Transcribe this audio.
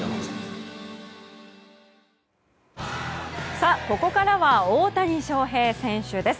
さあ、ここからは大谷翔平選手です。